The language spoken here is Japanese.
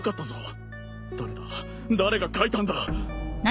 誰が書いたんだ！？